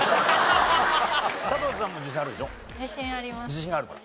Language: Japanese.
自信あるから。